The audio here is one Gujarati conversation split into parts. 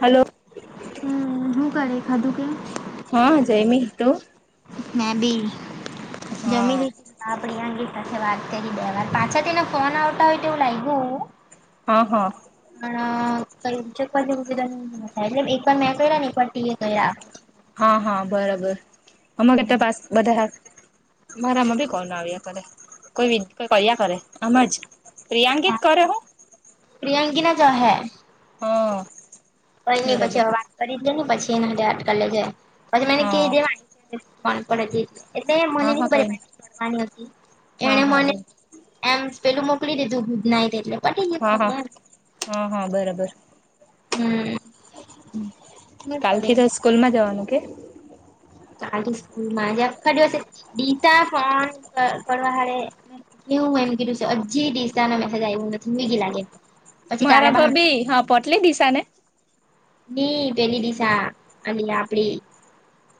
હલો હમ્મ હું કરે ખાધું કે? હં જયમી તું? મે બી જમી હા લી આપડી પિયાકી સાથે વાત કરી બે વાર પાછા તેને ફોન આવતા હોય તો એવું લાગ્યું. હા હા. પણ એટલે એક વાર મેં કર્યા ને એક વાર ટીએ કર્યા. હા હા બરાબર અ કે પા બધા. મારામાં બી કોલ આવ્યા કરે કોઈ કોઈ ક્યા કરે આમ જ પ્રિયાંકિત કરે હુ. પ્રિયાંકીના જા હૈ. હા તો એને પછી બરાબર હવે વાત કરી દે ને પછી એના અટકા લે જાય પછી મને ક હા દેવા. પે એટલે મને હા ન હા કઈ નઈ ખબરડવાની હતી હા એને હા મને. બર એમ પેલું મોકલી દીધું ગુજ નાય એટલે પટી હા હા હા હા બરાબર હમ. ની કાલ થી પડે તો સ્કૂલમાં જવાનું કે આજ સ્કૂલમાંજ આખા દિવસેતા ફોન કરવા હડે. એ હું એમ કીધું છે હજી દિશ ન મેસેજ આવ્યો નથી મેગી લાગે. પછી કાલે મરાભ બહાના બ હા પટલી દશને. પેની દિશા અને આપડી.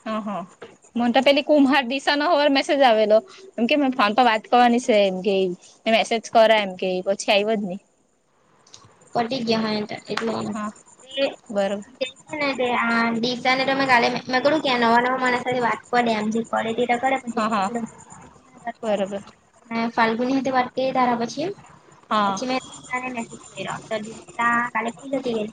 હા હા મ તો પેલી કુમભાર દિસા નો હોવાર મેસેજ આવેલો. એમ કે ફોન પર વાત કરવાની છે, એમ કે મેસેજ કર એમ કે પછી આવ્યો જ નહી. પટી ગયા હો એટલે હા બરોબર ને દિસા ને તમે કાલે મે કું કેયાં નવા નવા માના સાથે વાત કરી દે આમ. કે તટ કરે હા પણ હા બ. બરોબર અને ફાલ્ગુની સાથે વાત કરી તારા પછી એ હા પછી મે ડોકટર ગીતા કાલે કી જતી ગ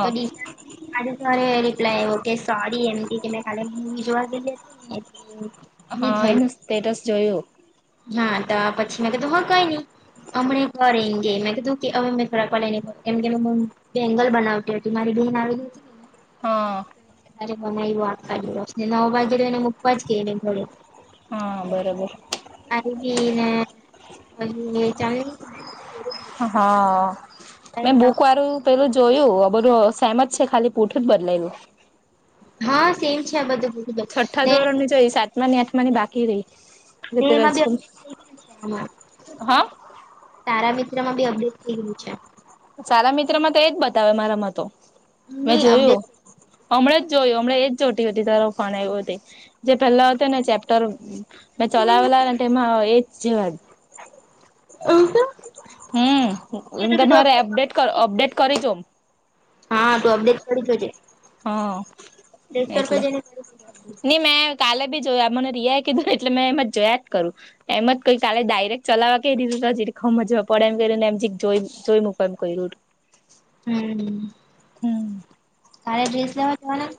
તો દીશા આજે સોરે રિપ્લાય ઓકે સોરી એમ કે મેં ખાલી મૂવી જોવા ગેલી હતી. [inaudible] ની હા એને થયેલું સ્ટેટસ જોયું. હા તો પછી મે તો હો કઈ નઈ. હમણા ઘરે એ ગે મેં કીધું કે હવે મેં ખરાક લ ન કેમ કે મમ. બેંગલ બનાવતી હતી મારી બહેન આવી. હા તરે મનાય્યું આખા દિવસ ને નવ વાગેને મૂકવાજ એ મળી હા બરોબર. અરેની ને ચા. હા મે નહી બોક આવતો આરું. પેલું જોયું બધું સહેમત છે ખાલી પૂઠું જ બદલાયલું. હા સેમ છે આ બધું. પૂછું છઠ્ઠા ને ધોરણ ની જોઈ સાતમા ની આઠમાની બાકી રહી. ને રતે એમાં બી રાજકોમ અપડેટ થઈ ગયું છે આમાં હા. તારા મિત્ર માં બી અપડેટ થઈ રહ્યું છે. સારા મિત્ર માં તો એજ બતાવે મારામાં તો મેં ની જોયું. અપડેટ હમણાં જ જોયું હમણાં એ જ જોટી હતી તાર ફોન આવ્યું તે. જે પેલા આવતા ને ચેપ્ટરો. મે ચલાલા એમાં એજ છેવા હમમ તમારે અપડેટ અપડેટ કરી જો. હા તો અપડેટ કરી જો જે. હા એટલે. જઈને કરી જોજે અપડેટ નઈ મેં કાલે ભી જોયા મને રિયાય કીધું એટલે મેં એમ જ જોયા જ કરું. એમ જ કઈ કાલે ડાયરેક્ટ ચલાવવા કઈ રીતેી મજા પડે એમને એમ જોઈ મૂકો એમ ક્યું. હમ. હમ. તારે ડ્રેસ લેવા. જવાના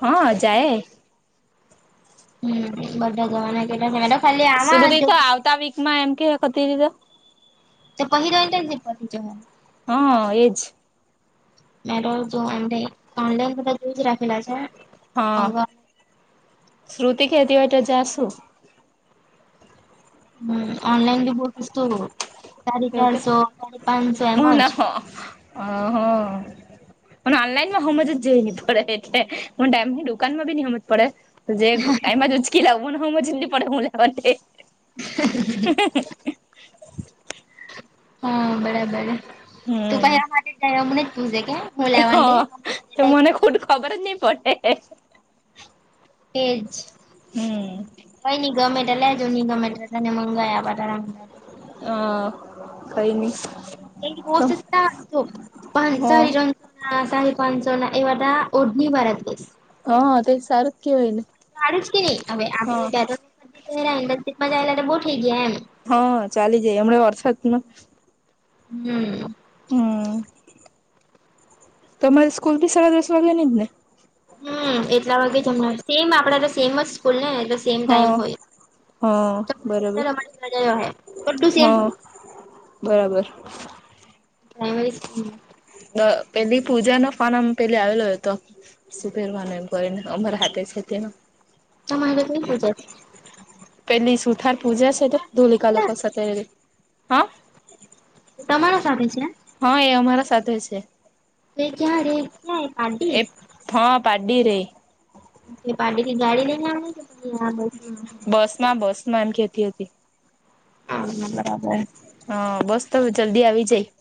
હા જાયે. હમ બધા જવાના કેટ છે મેડ ખાલી આમાં જો. ત વીકમાં એમ કેેકોતી રી તો. તો પહિ ઇન્ટર્નશિપ પરથી જો હા એજ. મે તો જોમ ઓનલાઈન બધા રાખેલા છે. હા મંગાવાના શ્રુતિ કહેતી હશે ત જશુ. હમ્મ ઓનલાઈન બી બહુસ્ સાડી ચારસો સાડી પાંચસો એમજ. [unintelligible] હહા. મ ઓનલાઈનમાં સમમજ જઈ નહી પડે એટલે મ ડેમની દુકાનમાં બી નહં સમમજ પડે. તો જે એમાં જ ઉંચકી લાવું મને સમજ જ નહી પડે હું લેવાને તે. [unintelligible] હા બરાબર તું પ હમ. એવા માટે જ જ એવા મને જ પૂજે કે. હું લેવાની હા અમે તો કેરે લઈ મને મૂકીએ ખુટ ખબર જ નહી પડે. એે જ. હમ. કોઈ નઈ ગમેટ લેજો નહી ગમે એલે તને મંગાવયા ત. હા કઈ નહી. એ [unintelligible] પાચ હા સારી જન હા સાડ પાંચસો ના એ વાટા ઓઢની વારા ડ્રેસ હા તે સારું જ કેવાય ને હારુ જ કે નહી હવે હા આપણે. રા ઇન્ડસ્ટ્રી માં જાયેલા તો બહુ થઈ ગયા એમ. હા ચાલી જાય હમણા વરસાદમાં. હમ્મ હમ્મ તમારી સ્કૂલ ભી સાડા દસ વાગે નહી જ ને. હમ્મ એટલા વાગે જમને સેમ આપડાટ સેમ જ સ્કૂલ ને એટલે. સેમ ટાઈમ હા. હા બરાબર હોય રા જો બ ટુ સેમ હા હોય. બરાબર. Primary school. પેલી પૂજા ન ફન આમ પેલી આવેલો હતો. સુભેરવાને એને ઉમર હાથે છે તેનૉ તમારે હું થઈ જાય પેલી સુથાર પૂજા છે તે ધોલિકા લોકો સાથે હા તમારા સાથે છે. હા એ અમારા સાથે છે. તે જ્યારે જાય પાટી એ હા પાડી રેય એ પાર્ટી થી ગાડી લઈને આવે કે બસ બસ માં બસ માંનખેતી હતી [unintelligible] હા બસ તો જલ્દી આવી જાય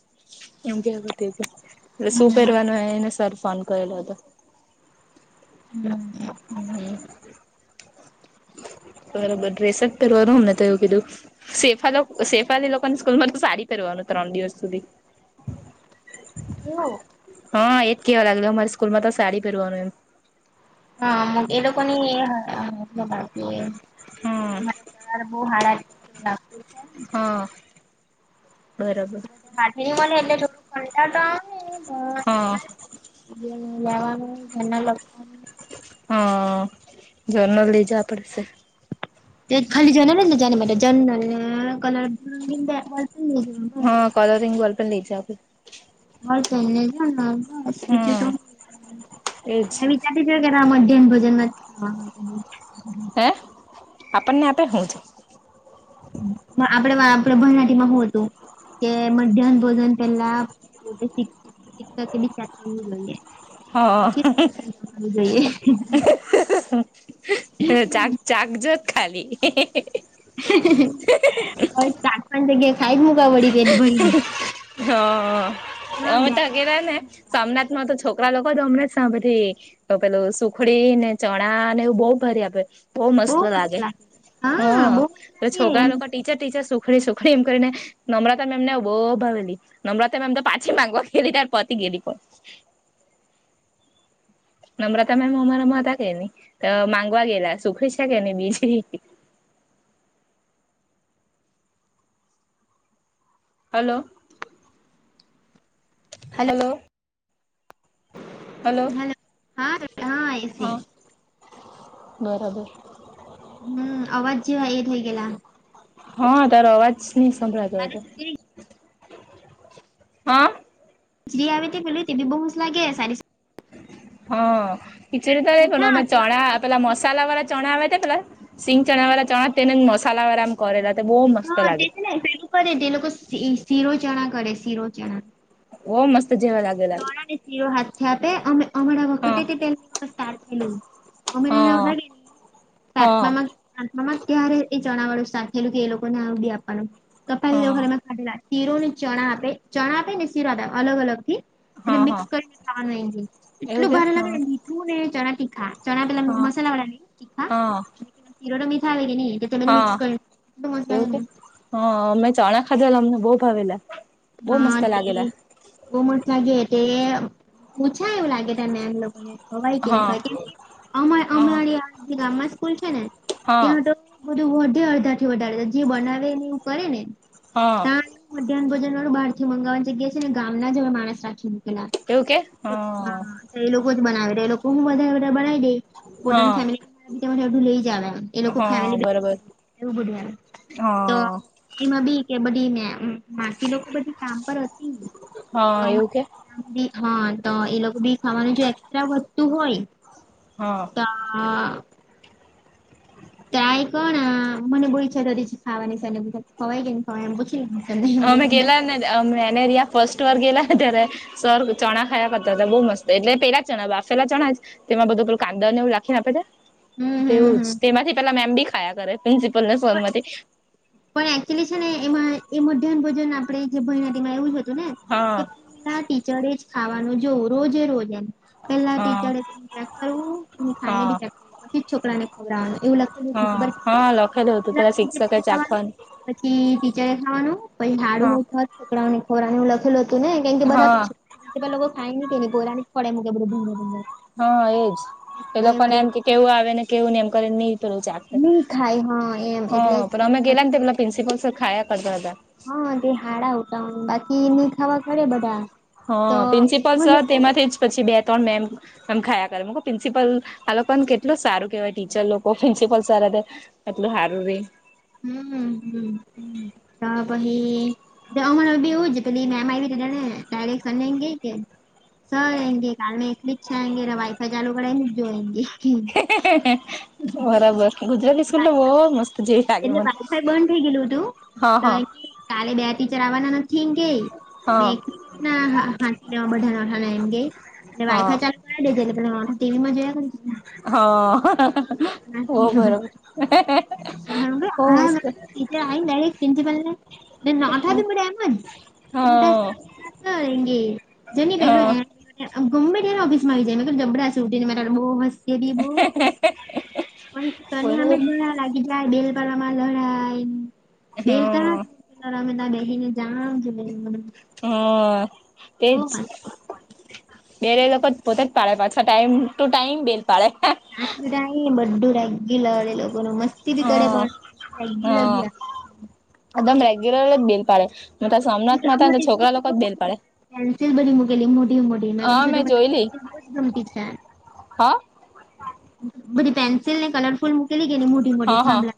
એમ કેવાતી હતી એટલે હા શું પહેરવાનું એને સર ફોન કરેલો હતો હમ્મ. હમ્મ. બરોબર ડ્રેસજ પહેરવાનું અમને તો એવું કીધું સેફ સેફાલી લોકોને સ્કૂલ માં તો સારી કરવારનું ત્રણ દિવસ સુધી હમ્મ હા એજ કેવા લાગે અરી સ્કૂલ માં તો સાડી પહેરવાનું એમ હા એ લોકોની હા [unintelligible] બહુ હાડા [unintelligible] હા બરોબર વાઢની મનેે તો ખંડા તો હા લેવાનું એના લગતું. હા જન્મ લઈ જા પડેશે ખાલી જનલ તો જના માટે જનરલ કલર હા કલરીંગ બોલપેન લઈ જા આપની હા તને જ બસ બીજું તો હમ એજ ક્યાંથી જાય મધ્યમ ભોજનમાં હા હે આપણને આપે હું છું. આપણે આપણે ભરાટીમાં હું હતું કે મધ્યાહન ભોજન પેલા શ શતા કે સ મુએ હા [unintelligible] ચાક ચાક જોત ખાલી બસ ચાર પાંચ જગ્યા ખાઈ મુક [inaudible] હા અમે તગેલા ને સોમનાથ માં તો છોકરા લોકો જ અમનેં જ સાંભળી તો પેલું સુખડી ને ચણા ને એવું બહું ભારી આપે બહુ બો મસ્ત લાગે હ હા બો મજા તો છોકરા લોકો લાગે ટીચર ટીચર સુખડી સુખણી એમ કરીને નમ્રતા મેમને બહુ ભાવવેલી નમ્રતા મેમ તો પાછી માંગવા ગયેલી તાર પતી ગેલી પણ નમ્રતા મેમ અમારા મા હતા કે ન માંગવા ગેલા સુખે છા કેને બીજ. હલો હલ્લો હલ્લો હેલો હા હા એસી બરાબર હમ્મ અવાજ જેવાઈ એ થઇ ગેલા હા તારો અવાજ નહ સંભળાતો મારે હતો સુધી હા જી આવે તે બલલી બી બઉુ જ લાગે સારી હા ખિચુરી ત કો પૂછા અમે ચણા પેલા મસાલા વાળા ચણા આવે ત પેલા સિંગ ચણા વાળા ચણા તેને મસાલા વાળા કરેલા તો બહઉ મસ્ત લાગે છે. કરેને તે લોકો શીરો ચણા કરે શીરો ચણા ઓ મસ્ત જીવા લાગે ચણા ને શીરો હાથથી આપે હમણાં વખતે હા તેલની વર સાર થયેલું. અમેી હા નાનેવદા ગેલી હા સાતમામાં હાથમાં ત્યારે એ જણાવાળું શખેલું કે એ લોકો ને આવ બી આપવાનું કપ હા દેવરે ટલા શીરો ને ચણા આપે ચણા આપે ને શીરો આપે અલગ અલગ થી. તેને હા મિક્સ હા કરીને ખાવાનું એવું એટલું કે ભારે હા લાગે મીઠું ને ચણાથી ખા ચણા પેલા હા મસાલા વાળા ન તીખા હા શીરો તો મીઠા આવે કે નહી. હા એવું કે હ અમે ચણા ખાધેલા અમને બહ ભાવેલા બહુ હા મસ્ત જી લાગેલા બહુમત લાગી તે પૂછા એવું લાગે તને એમ લોકોને વાય કે ન હા કેમકે હા અમારી ગામમાં સ્કૂલ છે ને હા ત્યાં તો બધું વધે અડધા થી વધારે જે બનાવે ને એવું કરે ને હ. ત્યાં મધ્યાહન ભોજન વાળું બહારથી મંગાવવાની જગ્યા છે ને ગામ ના જ હવે માણસ રાખી નીકલા એવું કે હા તો એ લોકો જ બનાવે એ લોકો હું વધારે વધારે બનાવી દઈ. પોતાની હા ફેમલીી એું લઈ જ એ ફેમ બ હ. એમાં બી કે બધી મે માસી લોકો બધી કામ પર હતી તો હા એવું કે મા હા તો એ લોકો બી ખાવાનું જો એકક્સ્ટ્રા વધતું હોય હ. આ ત્રાય કોણ આ મને બો ઈચછા થતી છે, ખાવાની છે ને ખવાય કે ખવાય એમ પ અમે ગેલા ને અ મેનેરિયા ફસ્ટ વર ગેલા તયારે સર ચણા ખાયા કરતા હતા બો મસ્ત એટલે પેલા ચણા બાફેલા ચણા જ તેમાં બધું પેલુ કાંદાને એવું લખીને આપે તે હમ હમ તેવું જ હમ તેમાંથી પેલા મેમ બી ખાયા કરે પ્રિન્સિપલ ને સરમાંથી પણ એકચુલી છે, ને એમાં એ મધ્યાહાન ભોજન આપણે જે ભરણાટીમાં એવું જ હતું ને હા કે તા ટીચરે જ ખાવાનું જોવ રોજે રોજે એમ પેલા હા ટીચરે ચેક કરવું એ ખાઈને હા બી ચેક બધી છોકરાને ખવડાવાનું એવું લાખેલુ હતુ હા ખબર હા લખેલું હતું પેલા પહેલા પ્રિન્સિપલને શિક્ષકે ખાવાનું ચાખવાન પછી ટીચરે ખાવાનું પછી હા હાડું થ છોકરાઓની ખવરાનું લખેલ હ તુ ને કેમ કે હા બધા લોકો ખાઈ નીશ કેની પોરા જ ખવડાય મુકે બધું ભંગાર ભંગાર હ એજ એ એટલે લોકોને મારું એમ કે કેવું આવે ને કેવું ને એમ કરે ની ખાય હા એમ [unintelligible] હ એટલે પણ અમે ગેલા ને પેલા પ્રિન્સિપલ ખાયા કરતા હતા હ તે હાડા આવતા બાકી ની ખાવા કરે બધા હ તો પ્રિન્સિપલ મને સર તેમાંથી જ પછી બે ત્રણ મેમ એમ ખાયા કરે મકુ પ્રિન્સિપલ આ લોકોન કેટલું સારું કેહેવાય ટીચર લોકો પ્રિન્સિપલ સર હાથે કેટલું સારું રેય હમ હમ હમ ત પહી અમર બી એવું જ પેલી મેમ આયવી તે ડાળે સરને એમ કેય કે સર એમ કેય કાલ મે એકલી જ છેે, એમકેય વાઈફાઈ ચાલુ કરે એ [unintelligible] બરાબર ગુજરાતી સ્કૂલ તો વાઈ બો મસ્ત જેવી લાગે એટલે મને વાઈફાઈ બંધ થઈ ગયેલું હતું હા તો હા એમ કાલે બે ટીચર આવવાના નથી કેય મે હા એકલીના [unintelligible] ને વાઇફાઈ હા ચાલુ કરાય દેજે એટલે પેલ રોનક ટીવીમાં જોયા ના હ હો ટીવી માં. બરોબર હો મસ્ત ટીચ આવીને ડાયરેક્ટ પ્રિન્સિપલ ને ને નાથા બી બધા એમ જ હા મોટા [unintelligible] [unintelligible] જોની પેલો હા એ ગમે ત્યારે ઓફિસમાં આવી જાય મે જબડા સુટી ને મેટ બો મસ તેદી બો પહી સરની બરોબર હામે જોયા લાગી જાય બેલપાળવામાં લડાય બેલ હા તા [unintelligible] બેહીને જા [unintelligible] હ તેજ બેરે લોકો પોતે જ પાડે પાછ ટાઈમ ટુ ટાઈમ બેલ પાડે [unintelligible] બધું રાગયુ લડે લોકો ન મસ્તી બી કરે હા પણ રેગયુ [unintelligible] એગમ રેગ્યુલરલી જ બેલ પાડે મા સ્કૂલ સોમનાથ મા હતા ને અમારે તો સ્કૂલ છોકરા બી લોકો જ બહુ બેલ પાડે પેન્સિલ બધી મૂકેલી મોટી મોટી મેકમ હા મેં સુધી મને જોયલી પેન્સિલ બો જ ગમતી છે. હા બધી પેન્સિલ ને કલરફુલ મુકેલી કેની મોટી મોટી થાંભલા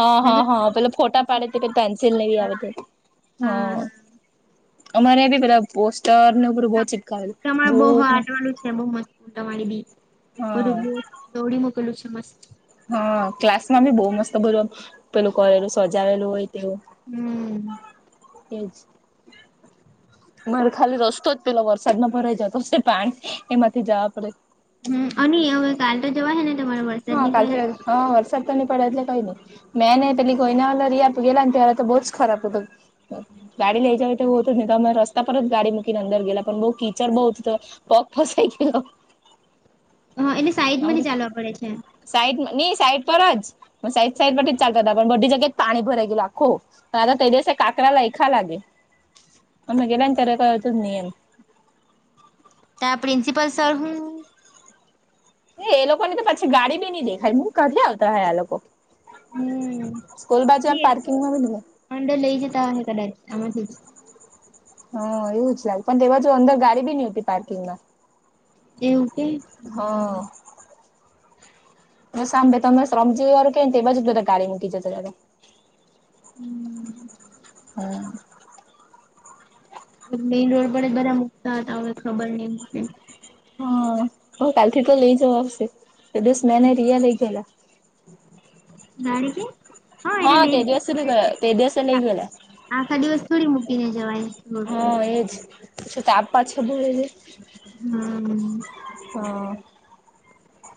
હ હ મેં હ કીધું મને બહુ પેલા જ ફોટા ગમતી પાડે તે છે. પેન્સિલ નેવી આવે હા તે હ હા અમારે બી પેલા પોસ્ટર નેવ બધુ બો હા ચી તમારે બહ હાટવાડું છે બહ મસ્ત તમારી બી બધું હા બ દોડી મોકલું છે મસ્ત હા ક્લાસમાં બી બો મસ્ત બધું પેલું કરેલું સજાવેલું હોય તેવું હમ. એજ મારે ખાલી રસ્તો જ પેલો વરસાદમાં ભરાઈ જતો શે પા એમાંથી જવા પડે હમ્મ અને હવે કાલ તો જવા હ ને તમારા વર્ષ હા કાાલથી હા વરસાદ તો નહી પડે એટલે કઈ નઈ મેં ને પેલી કોોઈના વા રિયા તો ગેલા અને ત્યારેલા તો બહુ જ ખરાબ હતો. ગાડી લેયજ વય તો હોત નહી તમે રસ્તા પર જ ગાડી મકીને અંદર ગેલા પણ બહુ કીચડ બહુત તો પગ ફસાઈ ગેલો હા એને સાઈડમાં ચાલવા પડે છે. સાઈટ નહી સાઈટ પર જ સાઈટ સાઈડ પર જ ચાલતા હતા પણ બધ જગ્યા જ પાણી ભરાય ગયું આખો તે દિવસે કાકડા લાયખા લાગે અમે ગેલા ને ત્યારે ક હતું નિયમ ત્યાં પ્રિન્સિપલ સર હું એ એ લોકો ને તો પછી ગાડી બી નહી દેખાય હું કાથી આવતા હોય આ લોકો? હમ સ્કૂલ ની બાજવા એ લોકો પાર્કિંગમાંમે ન અંદર લઈ જતા કદાચ આમાંથી જ હ એવું જ લાગે પણ તે જો અંદર ગાડી બી નહતી પાર્કિંગ માં એવું કે? હા. જો સાંભળ તમે સમજી કે ને એ બાજ બધાી મૂકી જતો તયારે હમ્મ. હ. મેઈન રોડ પડે જ બધા મુકતા હતાને ખબર નહ તે. હા હવે કાલથી તો લઈ જવા આવશે દિવસ મેને રિયા લઈ ગયલા. [unintelligible] એટલે હા લઈ તે જવું દિવસ પડે ને [unintelligible] દિવસ લાગી ગેલા. આખા દિવસ થોડી મૂકીને જવાય હા રોડ. એજ. [unintelligible] હ. હા.